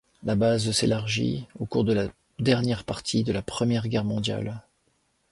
La base s'élargit au cours de la dernière partie de la Première Guerre mondiale.